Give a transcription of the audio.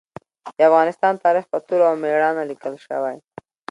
د افغانستان تاریخ په توره او مېړانه لیکل شوی.